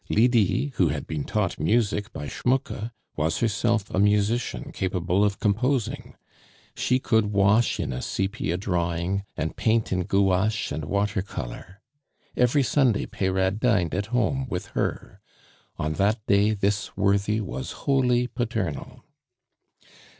Lydie, who had been taught music by Schmucke, was herself a musician capable of composing; she could wash in a sepia drawing, and paint in gouache and water color. Every Sunday Peyrade dined at home with her. On that day this worthy was wholly paternal.